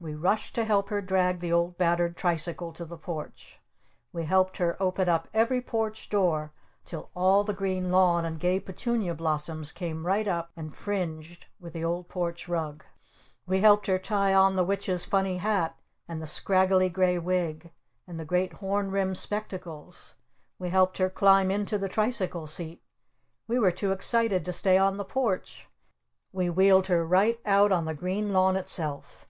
We rushed to help her drag the old battered tricycle to the Porch! We helped her open up every porch door till all the green lawn and gay petunia blossoms came right up and fringed with the old porch rug! We helped her tie on the Witch's funny hat! And the scraggly gray wig! And the great horn rimmed spectacles! We helped her climb into the tricycle seat! We were too excited to stay on the porch! We wheeled her right out on the green lawn itself!